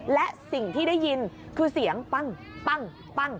และสิ่งที่ได้ยินคือเสียงปั้ง